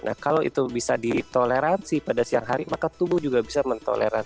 nah kalau itu bisa ditoleransi pada siang hari maka tubuh juga bisa mentoleransi